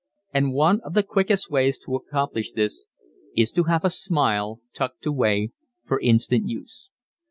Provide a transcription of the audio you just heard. And one of the quickest ways to accomplish this is to have a smile tucked away for instant use.